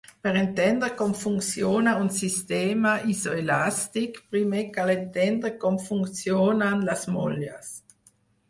Per entendre com funciona un sistema isoelàstic, primer cal entendre com funcionen les molles.